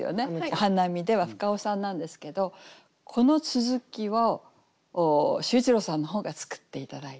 「お花見で」は深尾さんなんですけどこの続きを秀一郎さんの方が作って頂いて。